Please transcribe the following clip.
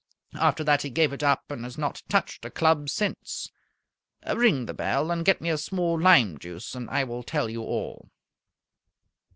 After that he gave it up and has not touched a club since. Ring the bell and get me a small lime juice, and I will tell you all."